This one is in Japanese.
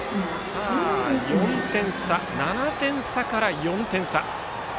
７点差から４点差。